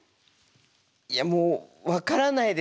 いやもう分からないですね。